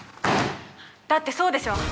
だってそうでしょ。